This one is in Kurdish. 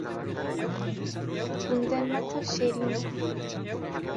Gundên Me Tev Şêrîn in